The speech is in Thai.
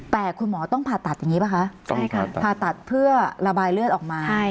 แต่คุณหมอต้องผ่าตัดอย่างนี้ป่ะคะใช่ค่ะผ่าตัดเพื่อระบายเลือดออกมา